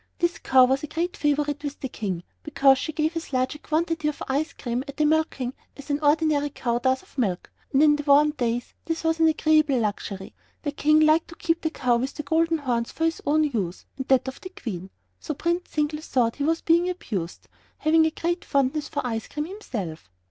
This cow was a great favorite with the King, because she gave as large a quantity of ice cream at a milking as an ordinary cow does of milk, and in the warm days this was an agreeable luxury. The King liked to keep the cow with the golden horns for his own use and that of the Queen; so Prince Zingle thought he was being abused, having a great fondness for ice cream himself.